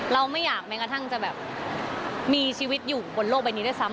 เราไม่อยากแม้กระทั่งจะแบบมีชีวิตอยู่บนโลกใบนี้ด้วยซ้ำ